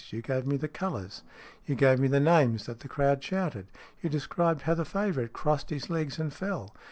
You gave me the colours. You gave me the names that the crowd shouted, You described how the favourite crossed his legs and fell.